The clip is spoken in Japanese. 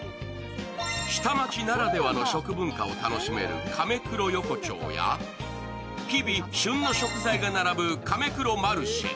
下町ならではの食文化を楽しめるカメクロ横丁や日々旬の食材が並ぶカメクロマルシェ。